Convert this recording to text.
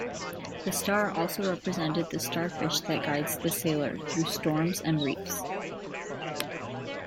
The star also represented the starfish that guides the sailor "through storms and reefs".